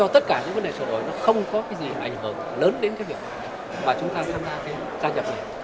tôi cho tất cả những vấn đề trò đổi không có gì ảnh hưởng lớn đến việc mà chúng ta tham gia gia nhập này